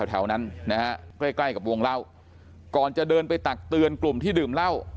แถวนั้นนะฮะใกล้ใกล้กับวงเล่าก่อนจะเดินไปตักเตือนกลุ่มที่ดื่มเหล้า